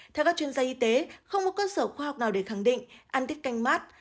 theo các chuyên gia y tế không có cơ sở khoa học nào để khẳng định ăn tiết canh mát